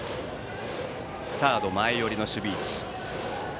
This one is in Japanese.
サードは前寄りの守備位置。